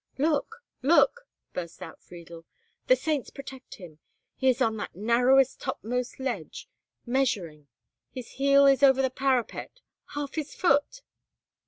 "Look! look!" burst out Friedel. "The saints protect him! He is on that narrowest topmost ledge—measuring; his heel is over the parapet—half his foot!"